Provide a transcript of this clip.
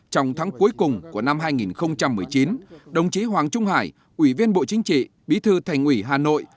trong tháng cuối cùng của năm hai nghìn một mươi chín đồng chí hoàng trung hải ủy viên bộ chính trị bí thư thành ủy hà nội